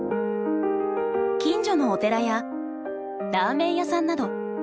近所のお寺やラーメン屋さんなど。